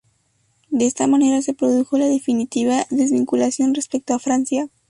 De esta manera se produjo la definitiva desvinculación respecto a Francia.